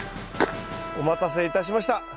お待たせいたしました。